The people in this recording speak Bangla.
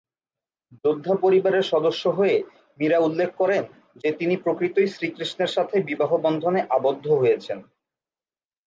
যোদ্ধা পরিবারের সদস্য হয়ে মীরা উল্লেখ করেন যে তিনি প্রকৃতই শ্রীকৃষ্ণের সাথে বিবাহবন্ধনে আবদ্ধ হয়েছেন।